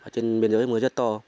trên biên giới mưa rất to